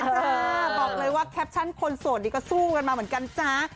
บอกเลยว่าแคปชั่นคนโสดนี่ก็สู้กันมาเหมือนกันจ๊ะ